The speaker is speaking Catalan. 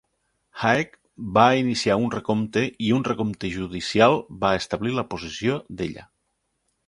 Haeck va iniciar un recompte i un recompte judicial va establir la posició d'ella.